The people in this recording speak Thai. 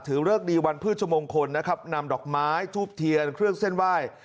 เลิกดีวันพฤชมงคลนะครับนำดอกไม้ทูบเทียนเครื่องเส้นไหว้